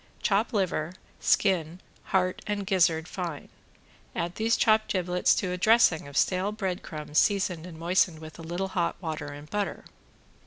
Chop liver, skin, heart and gizzard fine. Add these chopped giblets to a dressing of stale bread crumbs seasoned and moistened with a little hot water and butter.